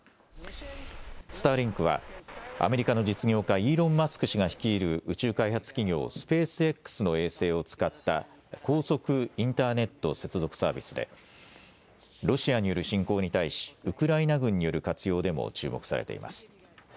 スターリンクはアメリカの実業家、イーロン・マスク氏が率いる宇宙開発企業、スペースＸの衛星を使った高速インターネット接続サービスでロシアによる侵攻に対しウクライナ軍による活用でも注目されています。